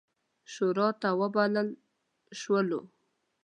شوراته وبلل شولو.